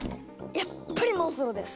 やっぱりモンストロです。